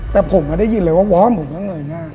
แต่ผมได้ยินเลยว่าว้อมผมก็เงยหน้า